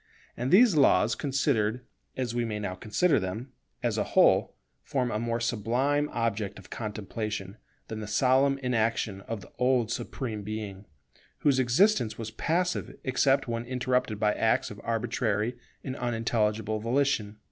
And these laws considered, as we may now consider them, as a whole, form a more sublime object of contemplation than the solemn inaction of the old Supreme Being, whose existence was passive except when interrupted by acts of arbitrary and unintelligible volition.